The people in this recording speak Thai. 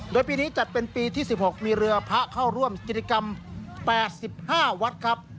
โดยปีนี้จัดเป็นปีที่๑๖มีเรือพระเข้าร่วมกิจกรรม๘๕วัดครับ